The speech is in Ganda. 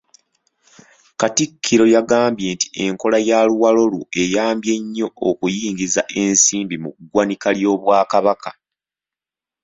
Katikkiro yagambye nti enkola ya ‘luwalo lwo’ eyambye nnyo okuyingiza ensimbi mu ggwanika ly’Obwakabaka.